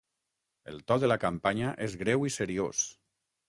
El to de la campanya és greu i seriós.